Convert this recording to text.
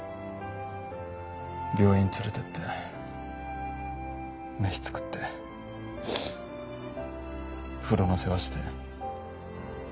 病院連れていって飯作って風呂の世話して。